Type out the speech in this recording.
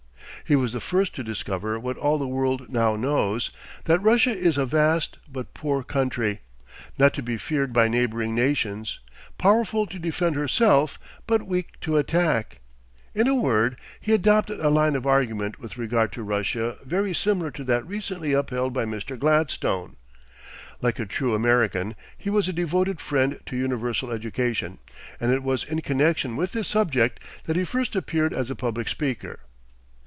He was the first to discover what all the world now knows, that Russia is a vast but poor country, not to be feared by neighboring nations, powerful to defend herself, but weak to attack. In a word, he adopted a line of argument with regard to Russia very similar to that recently upheld by Mr. Gladstone. Like a true American, he was a devoted friend to universal education, and it was in connection with this subject that he first appeared as a public speaker.